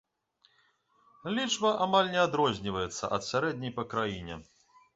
Лічба амаль не адрозніваецца ад сярэдняй па краіне.